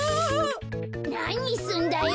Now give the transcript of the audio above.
なにすんだよ！